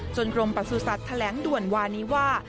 กรมประสุทธิ์แถลงด่วนวานี้ว่า